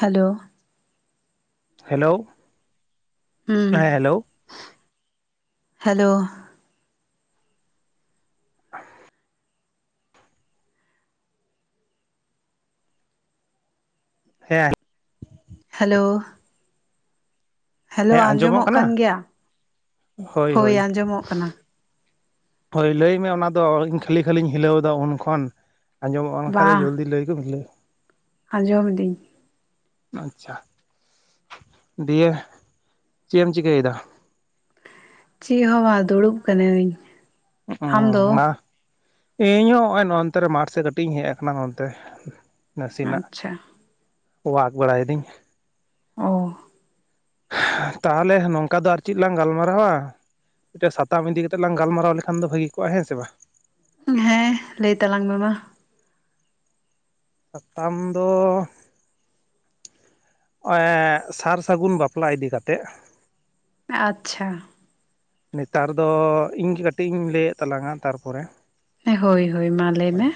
Hello. Hello. ᱦᱮᱸ ᱦᱩᱸ hello. Hello. [inaudible] ᱦᱮᱸᱻ ᱾ ᱦᱟᱞᱳᱻ ᱾ ᱦᱮᱞᱳ, ᱦᱮᱸ ᱟᱸᱡᱚᱢᱚᱜ ᱠᱟᱱᱟ ᱠᱟᱱ ᱜᱮᱭᱟ, ᱦᱳᱭ, ᱟᱸᱡᱚᱢᱚᱜ ᱠᱟᱱᱟ ᱾ ᱦᱳᱭ, ᱞᱟᱹᱭᱢᱮ ᱚᱱᱟ ᱫᱚ, ᱤᱧ ᱠᱷᱟᱹᱞᱤ, ᱠᱷᱟᱹᱞᱤᱧ ᱦᱤᱞᱟᱹᱣ ᱮᱫᱟ, ᱩᱱ ᱠᱷᱚᱱ ᱟᱸᱡᱚᱢᱚᱜᱼᱟᱱᱠᱷᱟᱡ ᱫᱚ, ᱡᱚᱞᱫᱤ ᱞᱟᱹᱭ ᱠᱚᱢ ᱵᱷᱤᱞᱟᱹ ᱾ ᱟᱸᱡᱚᱢ ᱮᱫᱤᱧ ᱟᱪᱪᱷᱟ! ᱫᱤᱭᱮ ᱪᱮᱜ ᱮᱢ, ᱪᱤᱠᱟᱹᱭᱮᱫᱟ? ᱪᱤᱜ ᱦᱚᱸ ᱵᱟᱝ, ᱫᱩᱲᱩᱵ ᱟᱠᱟᱹᱱᱟᱹᱧ ᱾ ᱚᱸᱻᱦᱚ, [unintelligible] ᱤᱧᱦᱚᱸ ᱱᱚᱜᱼᱚᱭ, ᱱᱚᱱᱛᱮ ᱨᱮ, ᱢᱟᱴᱷ ᱥᱮᱫ ᱠᱟᱹᱴᱤᱡ ᱤᱧ, ᱦᱮᱡ ᱟᱠᱟᱱᱟ, ᱱᱚᱱᱛᱮ ᱱᱟᱥᱤᱱᱟᱜ ᱾ ᱟᱪᱪᱷᱟ ᱚᱣᱟᱠ, ᱵᱟᱲᱟᱭ ᱮᱫᱤᱧ ᱚ ᱛᱟᱦᱚᱞᱮ, ᱱᱚᱝᱠᱟ ᱫᱚ, ᱟᱨ ᱪᱤᱫ ᱞᱟᱝ ᱜᱟᱞᱢᱟᱨᱟᱣᱟ? ᱢᱤᱫᱴᱮᱡ ᱥᱟᱛᱟᱢ, ᱤᱫᱤ ᱠᱟᱛᱮ ᱞᱟᱝ ᱜᱟᱞᱢᱟᱨᱟᱣ ᱞᱮᱠᱷᱟᱱ ᱫᱚ, ᱵᱷᱟᱹᱜᱤ ᱠᱚᱜᱼᱟ, ᱦᱮᱸ ᱥᱮ, ᱵᱟᱝ? ᱦᱮᱸ, ᱞᱟᱹᱭ ᱛᱟᱞᱟᱝ ᱢᱮ, ᱢᱟ ᱾ ᱥᱟᱛᱟᱢ ᱫᱚ ᱚᱸᱻᱮᱜ ᱥᱟᱨ ᱥᱟᱹᱜᱩᱱ ᱵᱟᱯᱞᱟ, ᱤᱫᱤ ᱠᱟᱛᱮᱜ, ᱟᱪᱪᱷᱟ ᱾ ᱱᱮᱛᱟᱨ ᱫᱚ, ᱤᱧ ᱜᱮ ᱠᱟᱹᱴᱤᱡ ᱤᱧ, ᱞᱟᱹᱭᱮᱫ ᱛᱟᱞᱟᱝᱟ, ᱛᱟᱨ ᱯᱚᱨᱮ ᱦᱮᱸ, ᱦᱳᱭ ᱦᱳᱭ, ᱢᱟ ᱞᱟᱹᱭ ᱢᱮ!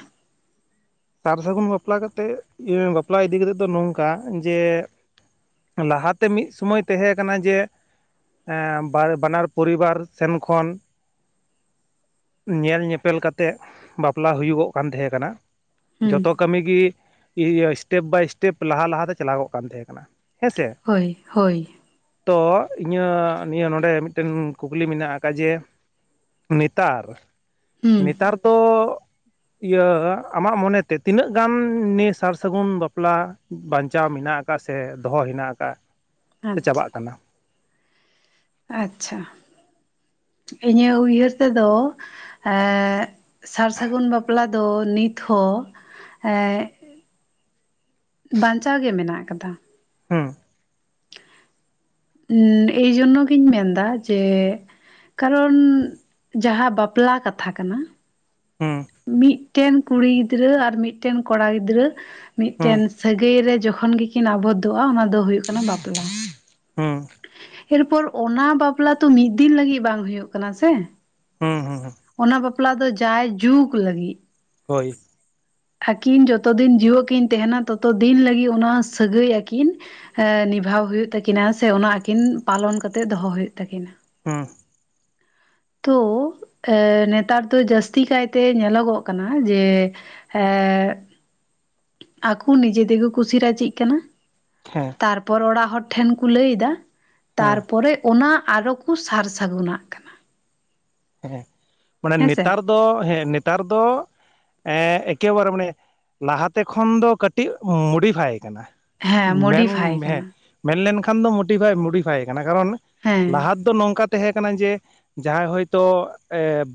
ᱥᱟᱨ ᱥᱟᱹᱜᱩᱱ ᱵᱟᱯᱞᱟ ᱠᱟᱛᱮ, ᱤᱭᱟᱹ ᱵᱟᱯᱞᱟ ᱤᱫᱤ ᱠᱟᱛᱮᱫ ᱫᱚ, ᱱᱚᱝᱠᱟ, ᱡᱮ ᱞᱟᱦᱟᱛᱮ, ᱢᱤᱫ ᱥᱩᱢᱟᱹᱭ ᱛᱮᱦᱮᱸ ᱠᱟᱱᱟ, ᱡᱮ ᱮᱸᱻ, ᱵᱟᱱᱟᱨ ᱯᱚᱨᱤᱵᱟᱨ ᱥᱮᱱ ᱠᱷᱚᱱ, ᱧᱮᱞ ᱧᱮᱯᱮᱞ ᱠᱟᱛᱮ, ᱵᱟᱯᱞᱟ ᱦᱩᱭᱩᱜᱚᱜ ᱠᱟᱱ, ᱛᱟᱦᱮᱸ ᱠᱟᱱᱟ ᱾ ᱦᱩᱸ ᱡᱚᱛᱚ ᱠᱟᱹᱢᱤ ᱜᱮ, ᱮᱥᱴᱮᱯ ᱵᱟᱭ ᱮᱥᱴᱮᱯ, ᱞᱟᱦᱟ ᱞᱟᱦᱟᱛᱮ, ᱪᱟᱞᱟᱜᱚᱜ ᱠᱟᱱ ᱛᱟᱦᱮᱸ ᱠᱟᱱᱟ, ᱦᱮᱸ ᱥᱮ ᱾ ᱦᱳᱭ, ᱦᱳᱭ ᱾ ᱛᱚ, ᱤᱧᱟᱹᱜ ᱱᱤᱭᱟᱹ ᱱᱚᱰᱮ, ᱢᱤᱫᱴᱮᱱ ᱠᱩᱠᱞᱤ ᱢᱮᱱᱟᱜ ᱟᱠᱟᱫ, ᱡᱮᱼᱼ ᱱᱮᱛᱟᱨ, ᱦᱩᱸ ᱱᱮᱛᱟᱨ ᱫᱚ, ᱤᱭᱟᱹ ᱟᱢᱟᱜ ᱢᱚᱱᱮ ᱛᱮ, ᱛᱤᱱᱟᱹᱜ ᱜᱟᱱ ᱱᱤᱭᱟᱹ, ᱥᱟᱨ ᱥᱟᱹᱜᱩᱱ ᱵᱟᱯᱞᱟ, ᱵᱟᱸᱧᱪᱟᱣ ᱢᱮᱱᱟᱜ ᱟᱠᱟᱫ, ᱥᱮ ᱫᱚᱦᱚ ᱦᱮᱱᱟᱜ, ᱟᱠᱟᱫᱼᱟ? ᱥᱮ, ᱟᱫ ᱟᱪᱪᱷᱟ ᱪᱟᱵᱟᱜ ᱠᱟᱱᱟ? ᱟᱪᱪᱷᱟ ᱾ ᱤᱧᱟᱹᱜ, ᱩᱭᱦᱟᱹᱨ ᱛᱮ ᱫᱚ ᱥᱟᱨ ᱥᱟᱹᱜᱩᱱ ᱵᱟᱯᱞᱟ ᱫᱚ, ᱱᱤᱛ ᱦᱚᱸ ᱵᱟᱸᱧᱪᱟᱣ ᱜᱮ, ᱢᱮᱱᱟᱜ ᱟᱠᱟᱫᱟ ᱾ ᱦᱩᱸ ᱾ ᱩᱸᱻ, ᱮᱭ ᱡᱳᱱᱱᱚ ᱜᱤᱧ ᱢᱮᱱ ᱮᱫᱟ, ᱡᱮ ᱠᱟᱨᱚᱱ, ᱡᱟᱦᱟᱸ, ᱵᱟᱯᱞᱟ ᱠᱟᱛᱷᱟ ᱠᱟᱱᱟ, ᱦᱩᱸᱻ ᱾ ᱢᱤᱫᱴᱮᱱ ᱠᱩᱲᱤ ᱜᱤᱫᱽᱨᱟᱹ, ᱟᱨ ᱢᱤᱫᱴᱮᱱ ᱠᱚᱲᱟ ᱜᱤᱫᱽᱨᱟᱹ, ᱦᱩᱸ ᱢᱤᱫᱴᱮᱱ ᱥᱟᱹᱜᱟᱹᱭ ᱨᱮ, ᱡᱚᱠᱷᱚᱱ ᱜᱮ ᱠᱤᱱ, ᱟᱵᱚᱫ ᱫᱚᱜᱼᱟ, ᱚᱱᱟ ᱫᱚ ᱦᱩᱭᱩᱜ ᱠᱟᱱᱟ, ᱵᱟᱯᱞᱟ ᱾ ᱦᱩᱸ ᱦᱮᱞ ᱯᱚᱨ, ᱚᱱᱟ ᱵᱟᱯᱞᱟ ᱛᱚ, ᱢᱤᱫ ᱫᱤᱱ ᱞᱟᱹᱜᱤᱫ, ᱵᱟᱝ ᱦᱩᱭᱩᱜ ᱠᱟᱱᱟ ᱥᱮ? ᱦᱩᱸ ᱦᱩᱸ ᱚᱱᱟ ᱵᱟᱯᱞᱟ ᱵᱟᱯᱞᱟ ᱫᱚ, ᱡᱟᱭ ᱡᱩᱜᱽ ᱞᱟᱹᱜᱤᱫ ᱾ ᱦᱳᱭ ᱾ ᱟᱹᱠᱤᱱ ᱡᱚᱛᱚ ᱫᱤᱱ, ᱡᱤᱣᱮᱫ ᱠᱤᱱ ᱛᱟᱦᱮᱸᱱᱟ, ᱛᱚ ᱛᱚ ᱫᱤᱱ ᱞᱟᱹᱜᱤᱫ, ᱚᱱᱟ ᱥᱟᱹᱜᱟᱹᱭ ᱟᱠᱤᱱ ᱱᱤᱵᱷᱟᱣ ᱦᱩᱭᱩᱜ ᱛᱟᱹᱠᱤᱱᱟ, ᱥᱮ ᱚᱱᱟ, ᱟᱹᱠᱤᱱ ᱯᱟᱞᱚᱱ ᱠᱟᱛᱮᱜ, ᱫᱚᱦᱚ ᱦᱩᱭᱩᱜ ᱛᱟᱹᱠᱤᱱᱟ ᱾ ᱦᱚᱸ ᱾ ᱛᱚ ᱮ ᱱᱮᱛᱟᱨ ᱫᱚ ᱡᱟᱹᱥᱛᱤ ᱠᱟᱭᱛᱮ ᱧᱮᱞᱚᱜᱚᱜ ᱠᱟᱱᱟ ᱡᱮ ᱮᱸᱜ ᱟᱠᱳ ᱱᱤᱡᱮ ᱛᱮ ᱠᱚ ᱠᱩᱥᱤ ᱨᱟᱡᱤᱜ ᱠᱟᱱᱟ᱾ ᱦᱮᱸ᱾ ᱛᱟᱨ ᱯᱚᱨ ᱚᱲᱟᱜ ᱦᱚᱲ ᱴᱷᱮᱱ ᱠᱚ ᱞᱟᱹᱭ ᱮᱫᱟ, ᱦᱮᱸ ᱛᱟᱨ ᱯᱚᱨᱮ ᱚᱱᱟ ᱟᱨᱚ ᱠᱚ ᱥᱟᱨ ᱥᱟᱹᱜᱩᱱᱟᱜ ᱠᱟᱱᱟ᱾ ᱦᱮᱸ ᱢᱟᱱᱮ ᱦᱮᱸᱥᱮ ᱱᱮᱛᱟᱨ ᱫᱚ ᱦᱮᱸ ᱱᱮᱛᱟᱨ ᱫᱚ ᱮᱸ ᱮᱠᱮ ᱵᱟᱨᱮ ᱢᱟᱱᱮ ᱞᱟᱦᱟᱛᱮ ᱠᱷᱚᱱ ᱫᱚ ᱠᱟᱹᱴᱤᱡ ᱢᱚᱰᱤᱯᱷᱟᱭ ᱠᱟᱱᱟ᱾ ᱦᱮᱸ ᱢᱮᱱ ᱢᱚᱰᱤᱯᱷᱟᱭ ᱦᱮᱸ᱾ ᱠᱟᱱᱟ ᱢᱮᱱ ᱞᱮᱱ ᱠᱷᱟᱱ ᱫᱚ ᱢᱳᱴᱤᱯᱷᱟᱭ ᱢᱳᱰᱤᱯᱷᱟᱭ ᱠᱟᱱᱟ, ᱠᱟᱨᱚᱱ ᱦᱮᱸ ᱞᱟᱦᱟ ᱛᱮ ᱫᱚ ᱱᱚᱝᱠᱟ ᱛᱟᱦᱮᱸ ᱠᱟᱱᱟ ᱡᱮ ᱡᱟᱦᱟᱸᱭ ᱦᱳᱭ ᱛᱳ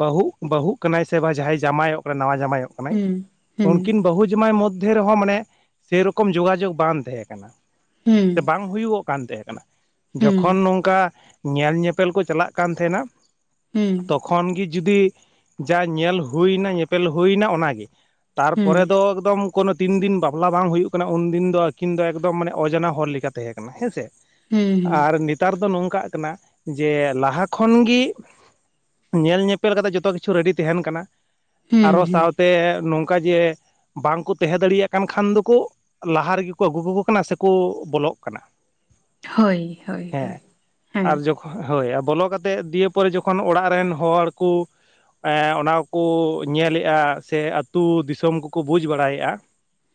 ᱵᱟᱹᱦᱩᱜ ᱵᱟᱹᱦᱩᱜ ᱠᱟᱱᱟᱭ ᱥᱮ ᱵᱟ ᱡᱟᱢᱟᱭᱚᱜ, ᱡᱟᱢᱟᱭᱚᱜ ᱠᱟᱱᱟ ᱱᱟᱣᱟ ᱡᱟᱢᱟᱭᱚᱜ ᱠᱟᱱᱟ᱾ ᱠᱟᱱᱟᱭ, ᱦᱩᱸ ᱦᱩᱸ ᱩᱱᱠᱤᱱ ᱵᱟᱹᱦᱩ ᱡᱟᱢᱟᱭ ᱢᱚᱫᱽ ᱢᱚᱫᱽᱫᱷᱮ ᱨᱮᱦᱚᱸ ᱢᱟᱱᱮ ᱥᱮ ᱨᱚᱠᱚᱢ ᱡᱳᱜᱟ ᱡᱳᱜᱽ ᱵᱟᱝ ᱛᱟᱦᱮᱸ ᱠᱟᱱᱟ ᱦᱩᱸ ᱥᱮ ᱵᱟᱝ? ᱦᱩᱭᱩᱜᱚᱜ ᱠᱟᱱ ᱛᱟᱦᱮᱸ ᱠᱟᱱᱟ, ᱦᱩᱸ ᱡᱚᱠᱷᱚᱱ ᱱᱚᱝᱠᱟ ᱧᱮᱞ ᱧᱮᱯᱮᱞ ᱠᱚ ᱪᱟᱞᱟᱜ ᱠᱟᱱ ᱛᱟᱦᱮᱸᱱᱟ᱾ ᱦᱩᱸ, ᱠᱷᱚᱱ ᱜᱮ ᱡᱩᱫᱤ ᱡᱟ ᱧᱮᱞ ᱦᱩᱭᱱᱟ ᱧᱮᱯᱮᱞ ᱦᱩᱭᱱᱟ ᱚᱱᱟᱜᱮ᱾ ᱛᱟᱨ ᱦᱩᱸ ᱦᱩᱸ ᱯᱚᱨᱮ ᱫᱚ ᱮᱠᱫᱚᱢ ᱠᱳᱱᱳ ᱛᱤᱱ ᱫᱤᱱ ᱵᱟᱯᱞᱟ ᱵᱟᱝ ᱦᱩᱭᱩᱜ ᱠᱟᱱᱟ ᱩᱱᱫᱤᱱ ᱫᱚ ᱟᱹᱠᱤᱱ ᱫᱚ ᱮᱠᱫᱚᱢ ᱢᱟᱱᱮ ᱚᱡᱚᱱᱟ ᱦᱚᱲ ᱞᱮᱠᱟ ᱛᱟᱦᱮᱸ ᱠᱟᱱᱟ ᱦᱮᱸᱥᱮ᱾ ᱦᱩᱸ ᱟᱨ ᱱᱮᱛᱟᱨ ᱫᱚ ᱱᱚᱝᱠᱟᱜ ᱠᱟᱱᱟ ᱡᱮ ᱞᱟᱦᱟ ᱠᱷᱚᱱ ᱜᱮ ᱧᱮᱞ ᱧᱮᱯᱮᱞ ᱠᱟᱛᱮᱜ ᱡᱚᱛᱚ ᱠᱤᱪᱷᱩ ᱨᱮᱰᱤ ᱛᱟᱦᱮᱸᱱ ᱠᱟᱱᱟ ᱦᱩᱸ ᱟᱨᱦᱚ ᱦᱩᱸ ᱥᱟᱸᱶᱛᱮ ᱱᱚᱝᱠᱟ ᱡᱮ, ᱵᱟᱝ ᱠᱩ ᱛᱟᱦᱮᱸ ᱫᱟᱲᱤᱭᱟᱜ ᱠᱟᱱ ᱠᱷᱟᱱ ᱫᱳᱠᱳ, ᱞᱟᱦᱟ ᱨᱮᱜᱮ ᱠᱳ ᱟᱹᱜᱩ ᱠᱟ ᱠᱳ ᱠᱟᱱᱟ ᱥᱮ ᱠᱳ ᱵᱚᱞᱚᱜ ᱠᱟᱱᱟ᱾ ᱦᱳᱭ ᱦᱳᱭ ᱦᱮᱸ ᱦᱳᱭ ᱟᱨ ᱦᱮᱸ᱾ ᱦᱳᱭ ᱾ ᱵᱚᱞᱚ ᱠᱟᱛᱮᱫ ᱫᱤᱭᱮ ᱯᱚᱨᱮ ᱡᱚᱠᱷᱚᱱ ᱚᱲᱟᱜ ᱨᱮᱱ ᱦᱚᱲ ᱠᱩ, ᱚᱱᱟ ᱠᱚ ᱠᱳ ᱧᱮᱞᱮᱫᱼᱟ ᱥᱮ ᱟᱹᱛᱩ ᱫᱤᱥᱚᱢ ᱠᱚ ᱠᱳ ᱵᱩᱡᱽ ᱵᱟᱲᱟᱭᱮᱫᱼᱟ᱾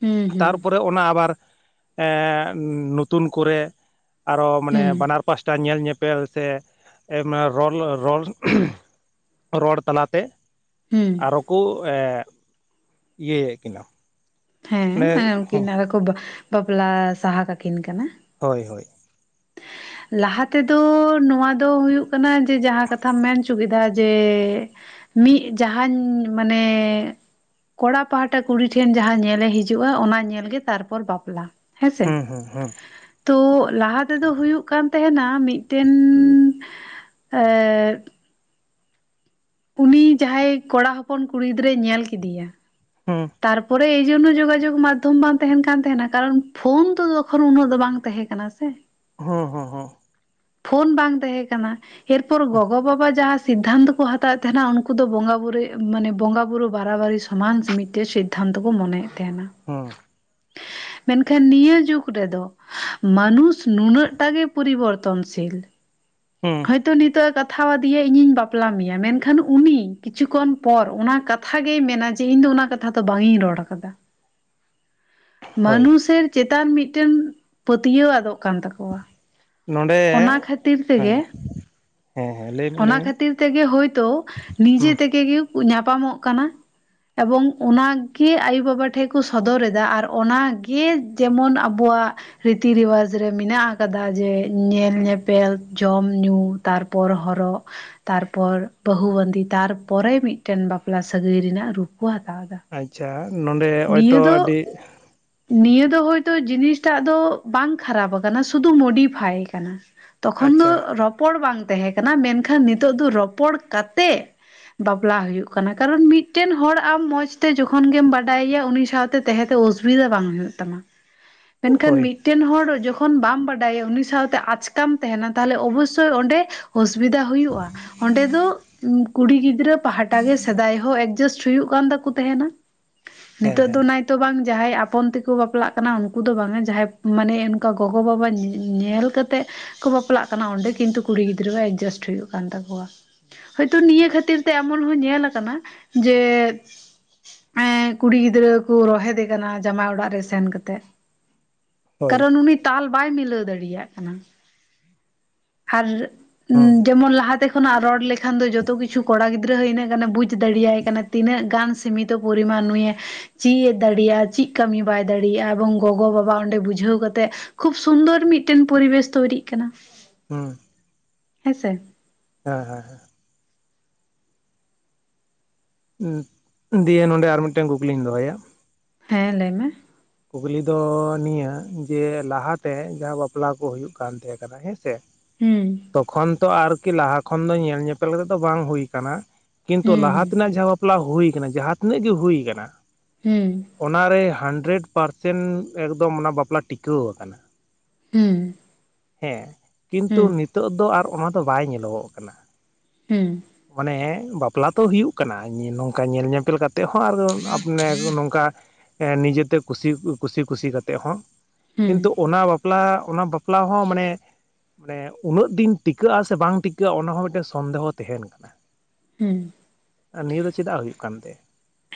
ᱦᱩᱸ ᱦᱩᱸ ᱛᱟᱨ ᱯᱚᱨᱮ ᱚᱱᱟ ᱟᱵᱟᱨ ᱮᱸ ᱱᱚᱛᱩᱱ ᱠᱚᱨᱮ, ᱟᱨᱚ ᱢᱟᱱᱮ ᱦᱩᱸ ᱵᱟᱱᱟᱨ ᱯᱟᱥᱴᱟ ᱧᱮᱞ ᱧᱮᱯᱮᱞ ᱥᱮ ᱨᱚᱲ ᱨᱚᱲ, ᱨᱚᱲ ᱛᱟᱞᱟ ᱛᱮ᱾ ᱦᱩᱸ, ᱟᱨᱚ ᱠᱳ ᱮ ᱤᱭᱟᱹᱭᱮᱫ ᱠᱤᱱᱟᱹ ᱾ ᱦᱮᱸ ᱩᱱᱠᱤᱱ ᱟᱫᱚ ᱠᱚ ᱵᱟ ᱵᱟᱯᱞᱟ ᱥᱟᱦᱟ ᱠᱟᱠᱤᱱ ᱠᱟᱱᱟ᱾ ᱦᱳᱭ ᱦᱳᱭ᱾ ᱞᱟᱦᱟ ᱛᱮᱫᱚ ᱱᱚᱣᱟ ᱫᱚ ᱦᱩᱭᱩᱜ ᱠᱟᱱᱟ ᱡᱮ ᱡᱟᱦᱟᱸ ᱠᱟᱛᱷᱟᱢ ᱢᱮᱱ ᱦᱚᱪᱚ ᱠᱮᱫᱟ? ᱡᱮ, ᱢᱤᱫ ᱡᱟᱦᱟᱧ ᱢᱟᱱᱮ ᱠᱚᱲᱟ ᱯᱟᱦᱟᱴᱟ ᱠᱩᱲᱤ ᱴᱷᱮᱱ ᱡᱟᱦᱟᱸ ᱧᱮᱞᱮ ᱦᱤᱡᱩᱜᱼᱟ ᱚᱱᱟ ᱧᱮᱞᱜᱮ ᱛᱟᱨᱯᱚᱨ ᱵᱟᱯᱞᱟ᱾ ᱦᱮᱸᱥᱮ ᱦᱩᱸ ᱦᱩᱸ ᱦᱩᱸ᱾ ᱛᱚ ᱞᱟᱦᱟ ᱛᱮᱫᱚ ᱦᱩᱭᱩᱜ ᱠᱟᱱ ᱛᱟᱦᱮᱱᱟ ᱢᱤᱫᱴᱮᱱ ᱮ ᱩᱱᱤ ᱡᱟᱦᱟᱸᱭ ᱠᱚᱲᱟ ᱦᱚᱯᱚᱱ ᱠᱩᱲᱤ ᱜᱤᱫᱽᱨᱟᱹᱭ ᱧᱮᱞ ᱠᱮᱫᱮᱭᱟ᱾ ᱦᱩᱸ, ᱛᱟᱨᱯᱚᱨᱮ ᱮᱭ ᱡᱚᱱᱱᱚ ᱡᱳᱜᱟᱡᱳᱜ ᱢᱟᱫᱽᱫᱷᱚᱢ ᱵᱟᱝ ᱛᱟᱦᱮᱱ ᱠᱟᱱ ᱛᱟᱦᱮᱸᱱᱟ ᱠᱟᱨᱚᱱ ᱯᱷᱳᱱ ᱛᱚ ᱛᱚᱠᱷᱚᱱ ᱩᱱᱟᱹᱜ ᱫᱚ ᱵᱟᱝ ᱛᱟᱦᱮᱸ ᱠᱟᱱᱟ ᱥᱮ? ᱦᱩᱸ ᱦᱩᱸ ᱦᱩᱸ᱾ ᱯᱷᱳᱱ ᱵᱟᱝ ᱛᱟᱦᱮᱸ ᱠᱟᱱᱟ ᱮᱨᱯᱚᱨ ᱜᱚᱜᱚ ᱵᱟᱵᱟ ᱡᱟᱦᱟᱸ, ᱥᱤᱫᱫᱷᱟᱱᱛᱚ ᱠᱚ ᱦᱟᱛᱟᱣᱮᱫ ᱛᱟᱦᱮᱱᱟ ᱩᱱᱠᱩ ᱫᱚ ᱵᱚᱸᱜᱟ ᱵᱩᱨᱩ ᱢᱟᱱᱮ ᱵᱚᱸᱜᱟ ᱵᱩᱨᱩ ᱵᱟᱨᱟᱵᱟᱨᱤ ᱥᱚᱢᱟᱱ ᱢᱤᱫᱴᱮᱱ ᱥᱤᱫ ᱫᱷᱟᱱᱛᱚᱠᱚ ᱠᱚ ᱢᱚᱱᱮᱭᱮᱫ ᱛᱟᱦᱮᱱᱟ᱾ ᱦᱩᱸ᱾ ᱢᱮᱱᱠᱷᱟᱱ ᱱᱤᱭᱟᱹ ᱡᱩᱜᱽ ᱨᱮᱫᱚ ᱢᱟᱱᱩᱥ ᱱᱩᱱᱟᱹᱜ ᱴᱟ ᱜᱮ ᱯᱚᱨᱤᱵᱚᱨ ᱛᱚᱱᱥᱤᱞ ᱦᱩᱸ᱾ ᱦᱚᱭᱛᱳ ᱱᱤᱛᱳᱜ-ᱮ ᱠᱟᱛᱷᱟᱣᱟᱫᱮᱭᱟ ᱤᱧᱤᱧ ᱵᱟᱯᱞᱟ ᱢᱮᱭᱟ ᱢᱮᱱᱠᱷᱟᱱ ᱩᱱᱤ ᱠᱤᱪᱷᱩ ᱠᱷᱚᱱ ᱯᱚᱨ ᱚᱱᱟ ᱠᱟᱛ ᱠᱟᱛᱷᱟ ᱜᱮᱭ ᱢᱮᱱᱟ ᱡᱮ ᱤᱧ ᱫᱚ ᱚᱱᱟ ᱠᱟᱛᱷᱟ ᱫᱚ ᱵᱟᱝᱤᱧ ᱨᱚᱲ ᱠᱟᱫᱟ᱾ ᱦᱳᱭ ᱢᱟᱱᱩᱥᱮᱨ ᱪᱮᱛᱟᱱ ᱢᱤᱫᱴᱮᱱ ᱯᱟᱹᱛᱭᱟᱹᱣ ᱟᱫᱚᱜ ᱠᱟᱱ ᱛᱟᱠᱚᱣᱟ᱾ ᱱᱚᱸᱰᱮ ᱚᱱᱟ ᱠᱷᱟᱹᱛᱤᱨ ᱛᱮᱜᱮ ᱦᱮᱸ, ᱦᱮᱸ ᱦᱮᱸ ᱞᱟᱹᱭ ᱢᱮ ᱚᱱᱟ ᱞᱟᱹᱭ ᱢᱮ ᱠᱷᱟᱹᱛᱤᱨ ᱛᱮᱜᱮ ᱦᱳᱭᱛᱳ ᱱᱤᱡᱮ ᱦᱩᱸ ᱛᱮᱜᱮ ᱜᱮ ᱧᱟᱯᱟᱢᱚᱜ ᱠᱟᱱᱟ᱾ ᱮᱵᱚᱝ ᱚᱱᱟᱜᱮ ᱟᱭᱩ ᱵᱟᱵᱟ ᱴᱷᱮᱡ ᱠᱚ ᱥᱚᱫᱚᱨ ᱮᱫᱟ ᱟᱨ ᱚᱱᱟᱜᱮ ᱡᱮᱢᱚᱱ ᱟᱵᱚᱣᱟᱜ ᱨᱤᱛᱤ ᱨᱮᱣᱟᱡᱽ ᱨᱮ ᱢᱮᱱᱟᱜ ᱟᱠᱟᱫᱟ ᱡᱮ ᱧᱮᱞ ᱧᱮᱯᱮᱞ, ᱡᱚᱢ ᱧᱩ ᱛᱟᱨᱯᱚᱨ ᱦᱚᱨ ᱨᱚᱜ ᱛᱟᱨᱯᱚᱨ ᱵᱟᱹᱦᱩ ᱵᱟᱸᱫᱤ, ᱛᱟᱨᱯᱚᱨᱮ ᱢᱤᱫᱴᱮᱱ ᱵᱟᱯᱞᱟ ᱥᱟᱹᱜᱟᱹᱭ ᱨᱮᱱᱟᱜ ᱨᱩᱯ ᱠᱚ ᱦᱟᱛᱟᱣᱮᱫᱟ᱾ ᱟᱪᱪᱷᱟ ᱱᱚᱸᱰᱮ ᱦᱚᱸᱜ-ᱚᱭ ᱛᱚ ᱟᱹᱰᱤ ᱱᱤᱭᱟᱹ ᱫᱚ ᱦᱳᱭᱛᱳ ᱡᱤᱱᱤᱥᱴᱟᱜ ᱫᱚ ᱵᱟᱝ ᱠᱷᱟᱨᱟᱯ ᱠᱟᱱᱟ ᱥᱩᱫᱩ ᱢᱳᱰᱤᱯᱷᱟᱭ ᱠᱟᱱᱟ᱾ ᱛᱚᱠᱷᱚᱱ ᱫᱚ ᱟᱪᱪᱷᱟ ᱨᱚᱯᱚᱲ ᱵᱟᱝ ᱛᱟᱦᱮᱸ ᱠᱟᱱᱟ ᱢᱮᱱᱠᱷᱟᱱ ᱱᱤᱛᱚᱜ ᱫᱚ ᱨᱚᱯᱚᱲ ᱠᱟᱛᱮ ᱵᱟᱯᱞᱟ ᱦᱩᱭᱩᱜ ᱠᱟᱱᱟ᱾ ᱠᱟᱨᱚᱱ ᱢᱤᱫᱴᱮᱱ ᱦᱚᱲ ᱟᱢ ᱢᱚᱸᱡᱽ ᱛᱮ ᱡᱚᱠᱷᱚᱱ ᱜᱮᱢ ᱵᱟ ᱵᱟᱰᱟᱭᱮᱭᱟ ᱩᱱᱤ ᱥᱟᱶᱛᱮ ᱛᱮᱦᱮᱸ ᱛᱮ ᱚᱥᱩᱵᱤᱫᱟ ᱵᱟᱝ ᱦᱩᱭᱩᱜ ᱛᱟᱢᱟ, ᱢᱮᱱᱠᱷᱟᱱ ᱢᱤᱫ ᱦᱳᱭ ᱢᱤᱫᱴᱮᱱ ᱦᱚᱲ ᱡᱚᱠᱷᱚᱱ ᱵᱟᱢ ᱵᱟᱰᱟᱭᱟ ᱩᱱᱤ ᱥᱟᱶᱛᱮ ᱟᱪᱠᱟᱢ ᱛᱟᱦᱮᱱᱟ ᱛᱟᱦᱞᱮ ᱚᱵᱚᱥᱥᱳᱭ ᱚᱸᱰᱮ ᱚᱥᱩᱵᱤᱫᱟ ᱦᱩᱭᱩᱜ-ᱟ ᱚᱸᱰᱮ ᱫᱚ ᱩᱸ ᱠᱩᱲᱤ ᱜᱤᱫᱽᱨᱟᱹ ᱯᱟᱦᱟᱴᱟ ᱜᱮ ᱥᱮᱫᱟᱭ ᱦᱚᱸ ᱮᱰᱡᱟᱥᱴ ᱦᱩᱭᱩᱜ ᱠᱟᱱ ᱛᱟᱠᱚ ᱛᱟᱸᱦᱮᱱᱟ, ᱦᱮᱸ ᱱᱤᱛᱚᱜ ᱫᱚ ᱦᱮᱸ ᱱᱟᱭ ᱛᱚ ᱵᱟᱝ ᱡᱟᱦᱟᱸᱭ ᱟᱯᱚᱱ ᱛᱮᱠᱚ ᱵᱟᱯᱞᱟᱜ ᱠᱟᱱᱟ ᱩᱱᱠᱩ ᱫᱚ ᱵᱟᱝ ᱟ ᱡᱟᱦᱟᱸᱭ ᱢᱟᱱᱮ ᱚᱱᱠᱟ ᱜᱚᱜᱚ ᱵᱟᱵᱟ ᱧᱮᱞ ᱠᱟᱛᱮᱫ ᱠᱚ ᱵᱟᱯᱞᱟᱜ ᱠᱟᱱᱟ ᱚᱸᱰᱮ ᱠᱤᱱᱛᱩ ᱠᱩᱲᱤ ᱜᱤᱫᱽᱨᱟᱹᱣᱟᱜ ᱮᱰᱡᱟᱥᱴ ᱦᱩᱭᱩᱜ ᱠᱟᱱ ᱛᱟᱠᱚᱣᱟ᱾ ᱦᱳᱭᱛᱚ ᱱᱤᱭᱟᱹ ᱠᱷᱟᱹᱛᱤᱨ ᱛᱮ ᱮᱢᱚᱱ ᱦᱚᱸ ᱧᱮᱞ ᱠᱟᱱᱟ ᱡᱮ ᱮᱸ ᱠᱩᱲᱤ ᱜᱤᱫᱽᱨᱟᱹ ᱠᱚ ᱨᱳᱦᱮᱫᱮ ᱠᱟᱱᱟ ᱡᱟᱢᱟᱭ ᱚᱲᱟᱜ ᱨᱮ ᱥᱮᱱ ᱠᱟᱛᱮᱫ᱾ ᱦᱳᱭ ᱠᱟᱨᱚᱱ ᱩᱱᱤ ᱛᱟᱞ ᱵᱟᱭ ᱢᱤᱞᱟᱹᱣ ᱫᱟᱲᱮᱭᱟᱜ ᱠᱟᱱᱟ, ᱟᱨ ᱦᱩᱸ ᱡᱮᱢᱚᱱ ᱞᱟᱦᱟᱛᱮ ᱠᱷᱚᱱᱟᱜ ᱨᱚᱲ ᱞᱮᱠᱷᱟᱱ ᱫᱚ ᱡᱚᱛᱚ ᱠᱤᱪᱷᱩ ᱠᱚᱲᱟ ᱜᱤᱫᱽᱨᱟᱹ ᱦᱚᱸ ᱤᱱᱟᱹᱜ ᱜᱟᱱᱮ ᱵᱩᱡᱽ ᱫᱟᱲᱮᱭᱟᱭ ᱠᱟᱱᱟ ᱛᱤᱱᱟᱹᱜ ᱜᱟᱱ ᱥᱤᱢᱤᱛ ᱛᱚ ᱯᱚᱨᱤᱢᱟᱱ ᱱᱩᱭᱮ ᱪᱮᱫ ᱮ ᱫᱟᱲᱮᱭᱟᱜ-ᱟ ᱪᱮᱫ ᱠᱟᱹᱢᱤ ᱵᱟᱭ ᱫᱟᱲᱮᱭᱟᱜ-ᱟ, ᱮᱵᱚᱝ ᱜᱚᱜᱚ ᱵᱟᱵᱟ ᱚᱸᱰᱮ ᱵᱩᱡᱷᱟᱹᱣ ᱠᱟᱛᱮᱫ ᱠᱷᱩᱵ ᱥᱩᱱᱫᱚᱨ ᱢᱤᱫᱴᱮᱱ ᱯᱚᱨᱤᱵᱮᱥ ᱛᱳᱭᱨᱤᱜ ᱠᱟᱱᱟ᱾ ᱦᱩᱸ᱾ ᱦᱮᱸ ᱥᱮ᱾ ᱦᱮᱸ ᱦᱮᱸ ᱦᱮᱸ᱾ ᱦᱩᱸ, ᱫᱤᱭᱮ ᱱᱚᱸᱰᱮ ᱟᱨ ᱢᱤᱫᱴᱮᱱ ᱠᱩᱠᱞᱤᱧ ᱫᱚᱦᱚᱭᱟ᱾ ᱦᱮᱸ, ᱞᱟᱹᱭ ᱢᱮ᱾ ᱠᱩᱠᱞᱤ ᱫᱚ ᱱᱤᱭᱟᱹ, ᱡᱮ ᱞᱟᱦᱟᱛᱮ ᱡᱟᱦᱟᱸ ᱵᱟᱯᱞᱟ ᱠᱚ ᱦᱩᱭᱩᱜ ᱠᱟᱱ ᱛᱟᱦᱮᱸ ᱠᱟᱱᱟ ᱦᱮᱸ ᱥᱮ᱾ ᱦᱩᱸ ᱛᱚᱠᱷᱚᱱ ᱛᱚ ᱟᱨᱠᱤ ᱞᱟᱦᱟ ᱠᱷᱚᱱ ᱫᱚ ᱧᱮᱞ ᱧᱮᱯᱮᱞ ᱠᱟᱛᱮᱫ ᱫᱚ ᱵᱟᱝ ᱦᱩᱭ ᱠᱟᱱᱟ᱾ ᱠᱤᱱᱛᱩ ᱞᱟᱦᱟ ᱦᱩᱸ ᱛᱮᱱᱟᱜ ᱡᱟᱦᱟᱸ ᱵᱟᱯᱞᱟ ᱦᱩᱭ ᱠᱟᱱᱟ, ᱡᱟᱦᱟᱸ ᱛᱤᱱᱟᱹᱜ ᱜᱮ ᱦᱩᱭ ᱠᱟᱱᱟ ᱦᱩᱸ᱾ ᱚᱱᱟᱨᱮ ᱦᱟᱱᱰᱮᱨᱮᱰ ᱯᱟᱨᱥᱮᱱ ᱮᱠᱫᱚᱢ ᱚᱱᱟ ᱵᱟᱯᱞᱟ ᱴᱤᱠᱟᱹᱣ ᱠᱟᱱᱟ᱾ ᱦᱩᱸ᱾ ᱦᱮᱸ, ᱠᱤᱱᱛᱩ ᱦᱩᱸ ᱱᱤᱛᱳᱜ ᱫᱚ ᱟᱨ ᱚᱱᱟ ᱫᱚ ᱵᱟᱭ ᱧᱮᱞᱚᱜᱚᱜ ᱠᱟᱱᱟ᱾ ᱦᱩᱸ᱾ ᱢᱟᱱᱮ ᱵᱟᱯᱞᱟ ᱛᱚ ᱦᱩᱭᱩᱜ ᱠᱟᱱᱟ ᱱᱚᱝᱠᱟ ᱧᱮᱞ ᱧᱮᱯᱮᱞ ᱠᱟᱛᱮ ᱠᱟᱛᱮ ᱦᱚᱸ, ᱟᱨ ᱟᱯᱱᱮ ᱱᱚᱝᱠᱟ ᱱᱤᱡᱮᱛᱮ ᱠᱩᱥᱤ, ᱠᱩᱥᱤ ᱠᱩᱥᱤ ᱠᱟᱛᱮᱜ ᱦᱚᱸ᱾ ᱦᱩᱸ ᱠᱤᱱᱛᱩ ᱚᱱᱟ ᱵᱟᱯᱞᱟ ᱚᱱᱟ ᱵᱟᱯᱞᱟ ᱦᱚᱸ ᱢᱟᱱᱮ ᱢᱟᱱᱮ ᱩᱱᱟᱹᱜ ᱫᱤᱱ ᱴᱤᱠᱟᱹᱜᱼᱟ ᱥᱮ ᱵᱟᱝ ᱴᱤᱠᱟᱹᱜᱼᱟ? ᱚᱱᱟ ᱦᱚᱸ ᱢᱤᱫᱴᱮᱱ ᱥᱚᱱᱫᱮᱦᱚ ᱛᱟᱦᱮᱸᱱ ᱠᱟᱱᱟ ᱾ ᱦᱩᱸ ᱾ ᱟᱨ ᱱᱤᱭᱟᱹ ᱫᱚ ᱪᱮᱫᱟᱜ ᱦᱩᱭᱩᱜ ᱠᱟᱱ ᱛᱮ?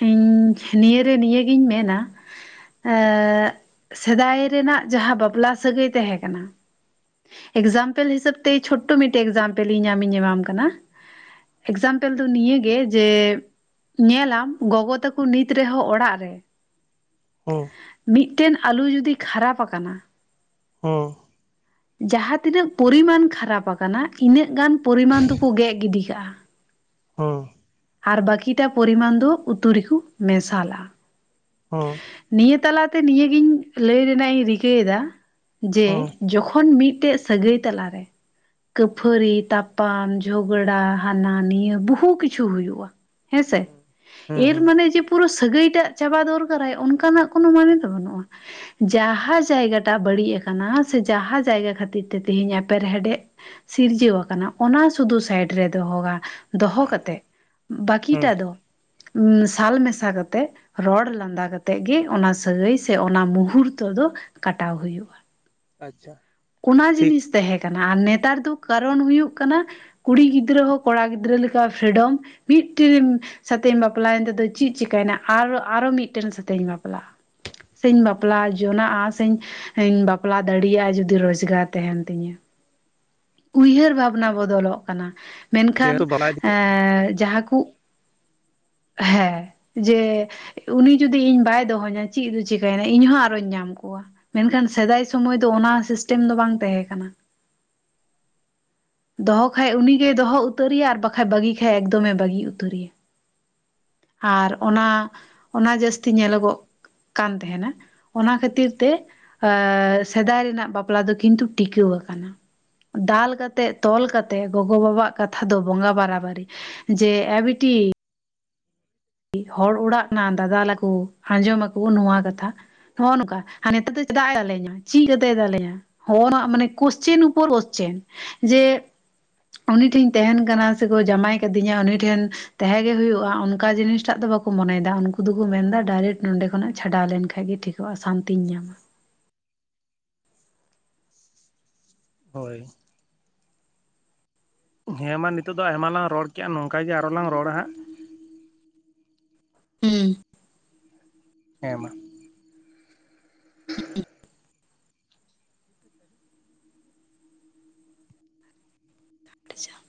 ᱤᱧ ᱱᱤᱭᱟᱹ ᱨᱮ ᱱᱤᱭᱟᱹᱜᱤᱧ ᱢᱮᱱᱟ ᱮᱸᱜ ᱥᱮᱫᱟᱭ ᱨᱮᱱᱟᱜ ᱡᱟᱦᱟᱸ ᱵᱟᱯᱞᱟ ᱥᱟᱹᱜᱟᱹᱭ ᱛᱟᱦᱮᱸ ᱠᱟᱱᱟ ᱮᱠᱡᱟᱢᱯᱮᱞ ᱦᱤᱥᱟᱹᱵᱽ ᱛᱮ ᱪᱷᱚᱴᱳ ᱢᱤᱫᱴᱮᱡ ᱮᱠᱡᱟᱢᱯᱮᱞ ᱤᱧ ᱟᱢᱤᱧ ᱮᱢᱟᱢ ᱠᱟᱱᱟ ᱾ ᱮᱠᱡᱟᱢᱯᱚᱞ ᱫᱚ ᱱᱤᱭᱟᱹᱜ ᱜᱮ ᱡᱮ ᱧᱮᱞ ᱟᱢ ᱜᱚᱜᱚ ᱛᱟᱠᱩ ᱱᱤᱛ ᱨᱮᱦᱚᱸ ᱚᱲᱟᱜ ᱨᱮ ᱦᱩᱸ᱾ ᱢᱤᱫᱴᱮᱱ ᱟᱹᱞᱩ ᱡᱩᱫᱤ ᱠᱷᱟᱹᱨᱟᱯ ᱟᱠᱟᱱᱟ ᱦᱩᱸ᱾ ᱡᱟᱦᱟᱸ ᱛᱤᱱᱟᱹᱜ ᱯᱚᱨᱤᱢᱟᱱ ᱠᱷᱟᱨᱟᱯ ᱟᱠᱟᱱᱟ ᱤᱱᱟᱹᱜ ᱜᱟᱱ ᱯᱚᱨᱤᱢᱟᱱ ᱫᱚᱠᱚ ᱜᱮᱫ ᱜᱤᱰᱤ ᱠᱟᱜᱼᱟ ᱾ ᱦᱩᱸ ᱾ ᱟᱨ ᱵᱟᱠᱤᱴᱟ ᱯᱚᱨᱤᱢᱟᱱ ᱫᱚ ᱩᱛᱩ ᱨᱮᱠᱚ ᱢᱮᱥᱟᱞᱟ ᱾ ᱦᱚᱸ ᱾ ᱱᱤᱭᱟᱹ ᱛᱟᱞᱟ ᱛᱮ ᱱᱤᱭᱟᱹ ᱜᱮᱧ ᱞᱟᱹᱭ ᱨᱮᱱᱟᱜ ᱤᱧ ᱨᱤᱠᱟᱹᱭ ᱮᱫᱟ ᱡᱮ ᱦᱩᱸ ᱡᱚᱠᱷᱚᱱ ᱢᱤᱫᱴᱮᱡ ᱥᱟᱹᱜᱟᱹᱭ ᱛᱟᱞᱟ ᱨᱮ ᱠᱟᱹᱯᱟᱹᱨᱤ ᱛᱟᱯ ᱛᱟᱯᱟᱢ ᱡᱷᱚᱜᱽᱲᱟ ᱦᱟᱱᱟ ᱱᱤᱭᱟᱹ ᱵᱚᱦᱩ ᱠᱤᱪᱷᱩ ᱦᱩᱭᱩᱜᱼᱟ ᱾ ᱦᱮᱸ ᱥᱮ, ᱦᱩᱸ ᱦᱩᱸ ᱮᱨ ᱦᱩᱸ ᱢᱟᱱᱮ ᱡᱮ ᱯᱩᱨᱟᱹ ᱥᱟᱹᱜᱟᱹᱭ ᱴᱟᱜ ᱪᱟᱵᱟ ᱫᱚᱨᱠᱟᱨᱟᱭ, ᱚᱱᱠᱟᱱᱟᱜ ᱠᱚᱱᱚ ᱢᱟᱱᱮ ᱫᱚ ᱵᱟᱹᱱᱩᱜᱼᱟ ᱾ ᱡᱟᱦᱟᱸ ᱡᱟᱭᱜᱟ ᱴᱟᱜ ᱵᱟᱹᱲᱤᱡ ᱟᱠᱟᱱᱟ ᱥᱮ ᱡᱟᱦᱟᱸ ᱡᱟᱭᱜᱟ ᱠᱷᱟᱹᱛᱤᱨ ᱛᱮ ᱛᱤᱦᱤᱧ ᱮᱯᱮᱨᱦᱮᱰᱮᱡ ᱥᱤᱨᱡᱟᱹᱣ ᱟᱠᱟᱱᱟ᱾ ᱚᱱᱟ ᱥᱩᱫᱩ ᱥᱟᱭᱤᱰ ᱨᱮ ᱫᱚᱦᱚ ᱜᱟ ᱫᱚᱦᱚ ᱠᱟᱛᱮᱜ ᱦᱩᱸ ᱵᱟᱹᱠᱤᱴᱟ ᱫᱚ ᱥᱟᱞ ᱢᱮᱥᱟ ᱠᱟᱛᱮᱜ ᱨᱚᱲ ᱞᱟᱸᱫᱟ ᱠᱟᱛᱮᱜ ᱜᱮ, ᱚᱱᱟ ᱥᱟᱹᱜᱟᱹᱭ ᱥᱮ ᱚᱱᱟ ᱢᱩᱦᱩᱨᱛᱚ ᱫᱚ ᱠᱟᱴᱟᱣ ᱦᱩᱭᱩᱜᱼᱟ ᱾ ᱟᱪᱪᱷᱟ ᱾ ᱚᱱᱟ ᱡᱤᱱᱤᱥ ᱛᱟᱦᱮᱸ ᱠᱟᱱᱟ ᱟᱨ ᱱᱮᱛᱟᱨ ᱫᱚ ᱠᱟᱨᱚᱱ ᱦᱩᱭᱩᱜ ᱠᱟᱱᱟ ᱠᱩᱲᱤ ᱜᱤᱫᱽᱨᱟᱹ ᱦᱚᱸ ᱠᱚᱲᱟ ᱜᱤᱫᱽᱨᱟᱹ ᱞᱮᱠᱟ ᱯᱷᱨᱤᱰᱚᱢ, ᱢᱤᱫᱴᱤᱱ ᱥᱟᱛᱮᱧ ᱵᱟᱯᱞᱟ ᱭᱮᱱ ᱛᱮᱫᱚ ᱪᱮᱫ ᱪᱤᱠᱟᱹᱭ ᱮᱱᱟ? ᱟᱨᱚ ᱢᱤᱫᱴᱮᱱ ᱥᱟᱛᱮ ᱤᱧ ᱵᱟᱯᱞᱟᱜᱼᱟ ᱾ ᱥᱮᱧ ᱵᱟᱯᱞᱟ ᱡᱚᱱᱟᱜᱼᱟ, ᱥᱮᱧ ᱵᱟᱯᱞᱟ ᱫᱟᱲᱮᱭᱟᱜᱼᱟ? ᱡᱩ ᱡᱩᱫᱤ ᱨᱚᱡᱽᱜᱟᱨ ᱛᱟᱦᱮᱸᱱ ᱛᱤᱧᱟ ᱾ᱩᱦᱟᱹᱨ ᱵᱷᱟᱵᱽ ᱵᱚᱱᱟ ᱵᱚᱫᱚᱞᱚᱜ ᱠᱟᱱᱟ᱾ ᱢᱮᱱᱠᱷᱟᱱ ᱡᱮᱦᱮᱛᱩ ᱵᱟᱲᱟᱭ ᱮᱸᱻ ᱡᱟᱦᱟᱸ ᱠᱩ ᱦᱮᱸ᱾ ᱡᱮ ᱩᱱᱤ ᱡᱩᱫᱤ ᱤᱧ ᱵᱟᱭ ᱫᱚᱦᱚᱧᱟ, ᱪᱮᱫ ᱨᱮ ᱪᱤᱠᱟᱹᱭ ᱮᱱᱟ, ᱤᱧᱦᱚᱸ ᱟᱨᱚᱧ ᱧᱟᱢ ᱠᱚᱣᱟ᱾ ᱢᱮᱱ ᱠᱷᱟᱱ ᱥᱮᱫᱟᱭ ᱥᱚᱢᱚᱭ ᱫᱚ ᱚᱱᱟ ᱥᱤᱥᱴᱮᱢ ᱫᱚ ᱵᱟᱝ ᱛᱟᱦᱮᱸ ᱠᱟᱱᱟ ᱾ ᱫᱚᱦᱚ ᱠᱷᱟᱡᱽ ᱩᱱᱤ ᱜᱮ ᱫᱚᱦᱚ ᱩᱛᱟᱹᱨ ᱮᱭᱟ ᱟᱨ ᱵᱟᱠᱷᱟᱡᱽ ᱵᱟᱹᱜᱤ ᱠᱷᱟᱡᱽ ᱮᱠᱫᱚᱢ ᱮ ᱵᱟᱹᱜᱤ ᱩᱛᱟᱹᱨ ᱮᱭᱟ᱾ ᱟᱨ ᱚᱱᱟ ᱚᱱᱟ ᱡᱟᱹᱥᱛᱤ ᱧᱮᱞᱚᱜᱚᱜ ᱠᱟᱱ ᱛᱟᱦᱮᱸᱱᱟ ᱾ᱚᱱᱟ ᱠᱷᱟᱹᱛᱤᱨ ᱛᱮ ᱥᱮᱫᱟᱭ ᱨᱮᱱᱟᱜ ᱵᱟᱯᱞᱟ ᱫᱚ ᱠᱤᱱ ᱛᱩ ᱴᱤᱠᱟᱹᱣ ᱟᱠᱟᱱᱟ᱾ ᱫᱟᱞ ᱠᱟᱛᱮᱜ ᱛᱚᱞ ᱠᱟᱛᱮ ᱜᱚᱜᱚ ᱵᱟᱵᱟ ᱟᱜ ᱠᱟᱛᱷᱟ ᱫᱚ ᱵᱚᱸᱜᱟ ᱵᱟᱨᱟ-ᱵᱟᱨᱤ, ᱡᱮ ᱮ ᱵᱤᱴᱤ ᱦᱚᱲ ᱚᱲᱟᱜ ᱱᱟ ᱫᱟᱫᱟᱞᱟᱠᱚ ᱟᱸᱡᱚᱢᱟᱠᱚ ᱱᱚᱣᱟ ᱠᱟᱛᱷᱟ ᱱᱚᱜᱼᱚᱭ ᱱᱚᱝᱠᱟ ᱱᱮᱛᱟᱨ ᱫᱚ ᱪᱮᱫᱟᱜ ᱮᱫᱟᱞᱮᱧᱟ? ᱪᱮᱫ ᱟᱫᱮ ᱫᱟᱞᱮᱧᱟ? ᱦᱚᱱᱟ ᱢᱟᱱᱮ ᱠᱚᱥᱪᱮᱱ ᱩᱯᱚᱨ ᱚᱥᱪᱮᱱ ᱡᱮ ᱩᱱᱤ ᱴᱷᱮᱱᱤᱧ ᱛᱟᱦᱮᱱ ᱠᱟᱱᱟ, ᱥᱮᱠᱚ ᱡᱟᱢᱟᱭ ᱟᱠᱟᱫᱤᱧᱟ ᱩᱱᱤ ᱴᱷᱮᱱ ᱛᱟᱦᱮᱸ ᱜᱮ ᱦᱩᱭᱩᱜᱼᱟ, ᱚᱱᱠᱟ ᱡᱤᱱᱤᱥ ᱴᱟᱜ ᱫᱚ ᱵᱟᱠᱚ ᱢᱚᱱᱭᱮᱫᱟ, ᱩᱱᱠᱩ ᱫᱚᱠᱚ ᱢᱮᱱ ᱮᱫᱟ ᱰᱟᱭᱨᱮᱠᱴ ᱱᱚᱰᱮ ᱠᱷᱚᱱᱟᱜ ᱪᱷᱟᱰᱟᱣ ᱞᱮᱱ ᱠᱷᱟᱱ ᱜᱮ ᱴᱷᱤᱠᱚᱜᱼᱟ ᱥᱟᱱᱛᱤᱧ ᱧᱟᱢᱟ᱾ ᱦᱳᱭ᱾ ᱦᱮᱸ ᱢᱟ ᱱᱤᱛᱚᱜ ᱫᱚ ᱟᱭᱢᱟ ᱞᱟᱝ ᱨᱚᱲ ᱠᱮ-ᱟ ᱱᱚᱝᱠᱟ ᱜᱮ ᱟᱨᱚ ᱞᱟᱝ ᱨᱚᱲᱟ ᱦᱟᱸᱜ᱾ ᱦᱩᱸ᱾ ᱦᱮᱸ ᱢᱟ᱾ [inaudible] [unintelligible]